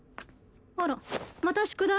あらまた宿題？